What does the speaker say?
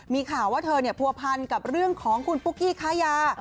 มีข่าวว่าเธอผัวพันกับเรื่องของคุณปุ๊กกี้ค้ายา